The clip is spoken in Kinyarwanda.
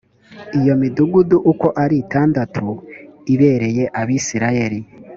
iyo midugudu uko ari itandatu ibereye abisirayeli